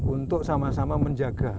untuk sama sama menjaga